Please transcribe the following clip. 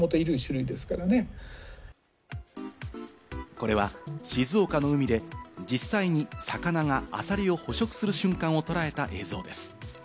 これは静岡の海で実際に魚がアサリを捕食する瞬間をとらえた映像です。